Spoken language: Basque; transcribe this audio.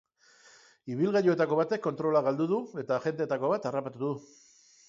Ibilgailuetako batek kontrola galdu du eta agenteetako bat harrapatu du.